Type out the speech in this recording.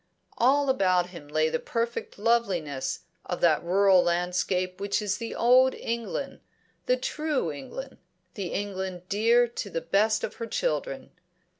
All about him lay the perfect loveliness of that rural landscape which is the old England, the true England, the England dear to the best of her children.